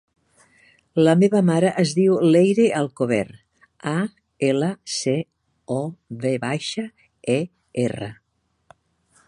La meva mare es diu Leire Alcover: a, ela, ce, o, ve baixa, e, erra.